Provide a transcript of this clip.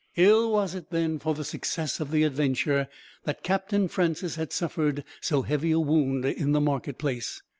Ill was it, then, for the success of the adventure, that Captain Francis had suffered so heavy a wound in the marketplace.